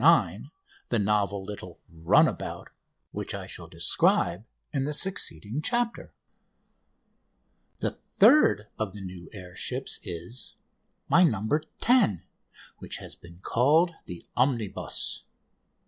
9," the novel little "runabout," which I shall describe in the succeeding chapter. The third of the new air ships is My "No. 10," which has been called "The Omnibus."